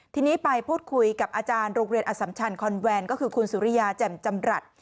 ทีนี้ไปพูดคุยกับอาจารย์โรงเรียนอสัมชันคอนแวนก็คือคุณสุริยาแจ่มจำรัฐ